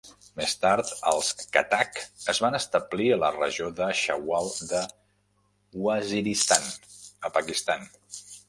Més tard, els Khattak es van establir a la regió de Shawal de Waziristan, a Pakistan.